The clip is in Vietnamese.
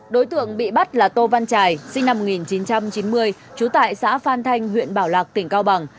đối tượng bị bắt là tô văn trải sinh năm một nghìn chín trăm chín mươi trú tại xã phan thanh huyện bảo lạc tỉnh cao bằng